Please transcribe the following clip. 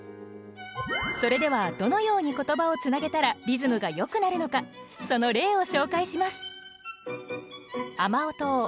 それではどのように言葉をつなげたらリズムがよくなるのかその例を紹介します。